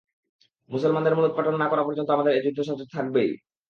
মুসলমানদের মূলোৎপাটন না করা পর্যন্ত আমাদের এ যুদ্ধসাজ থাকবেই।